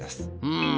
うん。